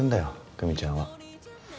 久美ちゃんは。